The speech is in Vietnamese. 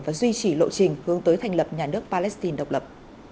và duy trì lộ trình hướng tới thành lập nhà nước palestine độc lập